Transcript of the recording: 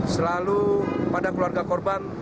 selalu pada keluarga korban